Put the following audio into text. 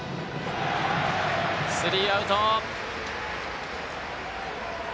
スリーアウト。